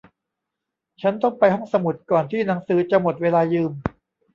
ฉันต้องไปห้องสมุดก่อนที่หนังสือจะหมดเวลายืม